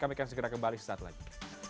kami akan segera kembali sesaat lagi